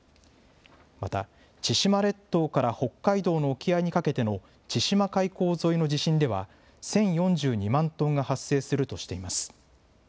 また、千島列島から北海道の沖合にかけての千島海溝沿いの地震では、１０４２万トンが発生するとしています。